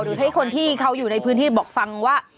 หรือให้คนที่เขาอยู่ในพื้นที่บอกฟังว่า